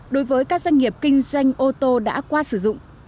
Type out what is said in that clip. đối với các doanh nghiệp kinh doanh ô tô đã qua sử dụng